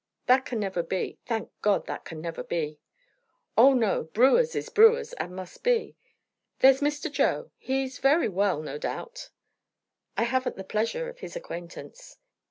"That can never be. Thank God, that can never be!" "Oh, no! Brewers is brewers, and must be. There's Mr. Joe He's very well, no doubt." "I haven't the pleasure of his acquaintance."